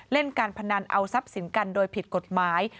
เล่นการพนันเอาทรัพย์สินกันโดยผิดกฎหมาย